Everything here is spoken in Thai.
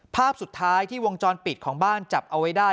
ภาพสุดท้ายที่วงจรปิดของบ้านจับเอาไว้ได้